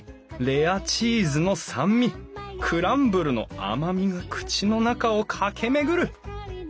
レアチーズの酸味クランブルの甘みが口の中を駆け巡る！